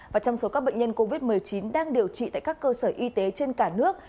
và trong số các bệnh nhân covid một mươi chín đang điều trị tại các cơ sở y tế trên cả nước